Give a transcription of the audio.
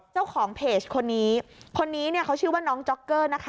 เจ้าของเพจคนนี้คนนี้เนี่ยเขาชื่อว่าน้องจ๊อกเกอร์นะคะ